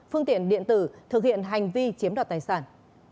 phương tiện điện tử thực hiện hành vi chiếm đoạt tài sản